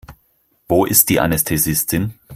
Wo ist die Anästhesistin?